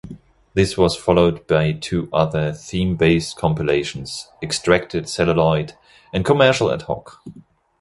This was followed by two other theme-based compilations, "Extracted Celluloid" and "Commercial Ad Hoc".